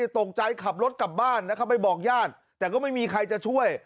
ตกใจขับรถกลับบ้านนะครับไปบอกญาติแต่ก็ไม่มีใครจะช่วย